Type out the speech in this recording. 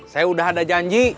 saya udah ada janji